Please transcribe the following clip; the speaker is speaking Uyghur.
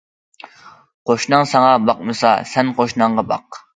قوشناڭ ساڭا باقمىسا، سەن قوشناڭغا باق.